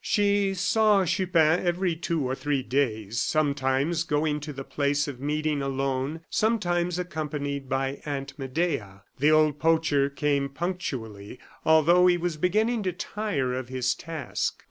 She saw Chupin every two or three days; sometimes going to the place of meeting alone, sometimes accompanied by Aunt Medea. The old poacher came punctually, although he was beginning to tire of his task.